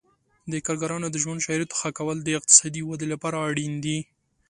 د کارګرانو د ژوند شرایطو ښه کول د اقتصادي ودې لپاره اړین دي.